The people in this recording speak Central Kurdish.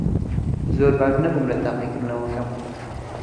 زۆر باش نەبووم لە تاقیکردنەوەکەم.